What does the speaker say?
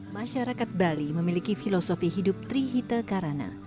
masyarakat bali memiliki filosofi hidup trihite karana